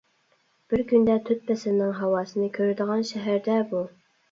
بىر كۈندە تۆت پەسىلنىڭ ھاۋاسىنى كۆرىدىغان شەھەر-دە بۇ!